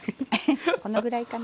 このぐらいかな？